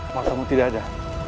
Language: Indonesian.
matamu tidak ada